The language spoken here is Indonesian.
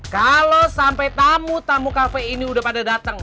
kalo sampai tamu tamu kafe ini udah pada dateng